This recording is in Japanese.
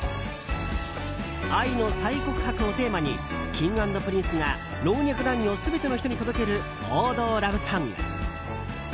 愛の再告白をテーマにＫｉｎｇ＆Ｐｒｉｎｃｅが老若男女全ての人に届ける王道ラブソング。